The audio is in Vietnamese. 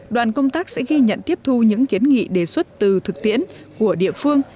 đoàn công tác sẽ ghi nhận tiếp thu những kiến nghị đề xuất từ thực tiễn của địa phương